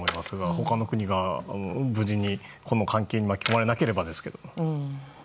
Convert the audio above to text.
他の国がこの関係に巻き込まれなければですけど。